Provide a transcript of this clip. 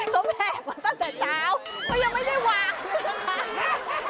เขาแผลกตั้งแต่เช้าเขายังไม่ได้วาง